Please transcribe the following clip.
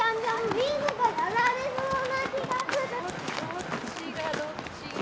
どっちがどっちを。